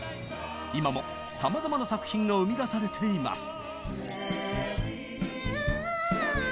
今もさまざまな作品が生み出されています。